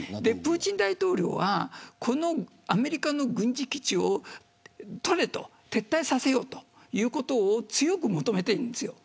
プーチン大統領はこのアメリカの軍事基地を撤退させようということを強く求めています。